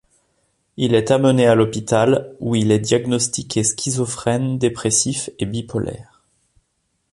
Il est amené à l'hôpital où il est diagnostiqué schizophrène, dépressif et bipolaire.